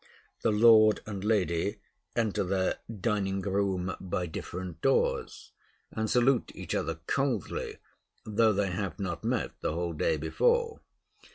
The lord and lady enter their dining room by different doors, and salute each other coldly, though they have not met the whole day before.